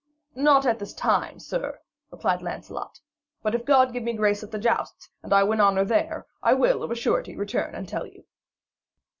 'Not at this time, sir,' replied Sir Lancelot, 'but if God give me grace at the jousts, and I win honour there, I will of a surety return and tell you.'